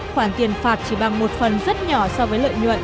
khoản tiền phạt chỉ bằng một phần rất nhỏ so với lợi nhuận